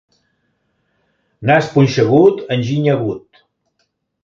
Nas punxegut, enginy agut.